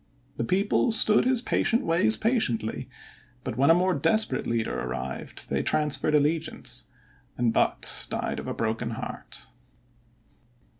The people stood his patient ways patiently, but when a more desperate leader arrived they transferred allegiance, and Butt died of a broken heart.